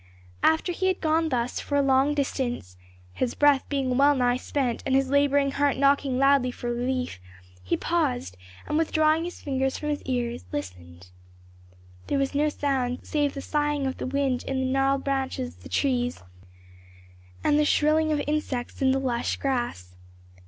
After he had gone thus for a long distance his breath being well nigh spent and his laboring heart knocking loudly for relief he paused, and withdrawing his fingers from his ears, listened. There was no sound save the soughing of the wind in the gnarled branches of the trees and the shrilling of insects in the lush grass.